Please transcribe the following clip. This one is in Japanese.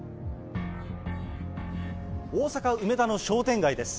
大阪・梅田の商店街です。